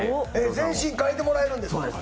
全身変えてもらえるんですか？